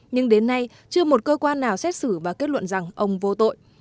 nhưng đến nay chưa một cơ quan nào xét xử và kết luận rằng ông vô tội